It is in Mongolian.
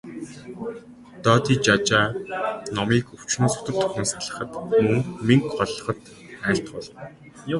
Додижажаа номыг өвчнөөс үтэр түргэн салахад, мөн мэнгэ голлоход айлтгуулна.